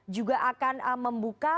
juga akan membuka